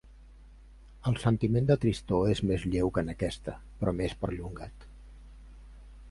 El sentiment de tristor és més lleu que en aquesta però més perllongat.